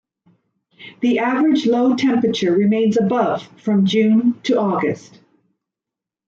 The average low temperature remains above from June to August.